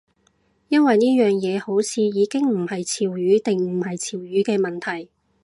因為呢樣嘢好似已經唔係潮語定唔係潮語嘅問題